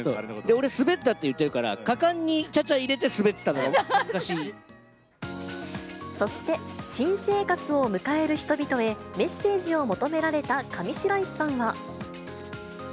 俺、すべったって言ってるから、果敢にちゃちゃ入れて、そして、新生活を迎える人々へメッセージを求められた上白石さんは。